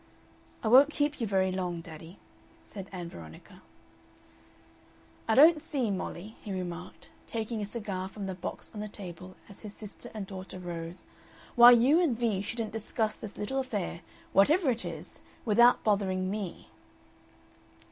"I won't keep you very long, daddy," said Ann Veronica. "I don't see, Mollie," he remarked, taking a cigar from the box on the table as his sister and daughter rose, "why you and Vee shouldn't discuss this little affair whatever it is without bothering me."